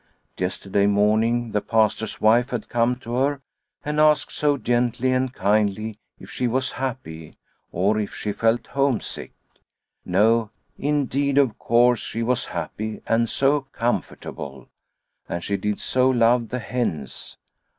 Yesterday morning the Pastor's wife had come to her and asked so gently and kindly if she was happy, or if she felt homesick. No, indeed, of course she was happy and so comfortable. And she did so love the hens.